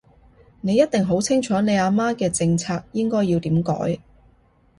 你一定好清楚你阿媽嘅政策應該要點改